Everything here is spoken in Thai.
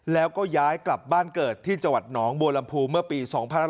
แล้วก็ย้ายกลับบ้านเกิดที่จังหวัดหนองบัวลำพูเมื่อปี๒๕๕๙